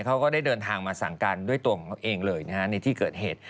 ก็ได้เดินทางมาสั่งการด้วยตัวของเขาเองเลยนะฮะในที่เกิดเหตุ